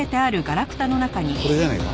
これじゃないか？